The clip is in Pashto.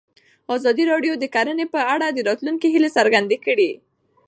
ازادي راډیو د کرهنه په اړه د راتلونکي هیلې څرګندې کړې.